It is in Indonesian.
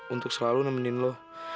untuk selalu nemenin lo